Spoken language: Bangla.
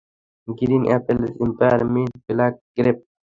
Green apple, spearmint, black grape?